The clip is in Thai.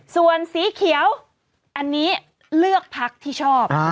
ส่วนสีเขียวอันนี้เลือกพักที่ชอบ